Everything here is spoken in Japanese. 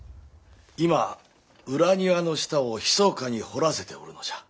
今裏庭の下をひそかに掘らせておるのじゃ。